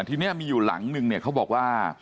ทีนี้มีอยู่หลังนึงเนี่ยเขาบอกว่า